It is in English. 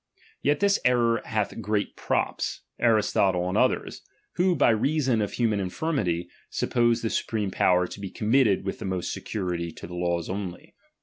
Yet this error hath great props, Aristotle and others ; who. by reason of human infirmity, sup pose the supreme power to be committed with most security to the laws only.